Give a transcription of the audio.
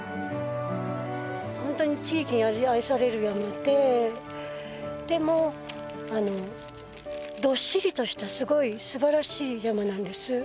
本当に地域に愛される山ででもどっしりとしたすごいすばらしい山なんです。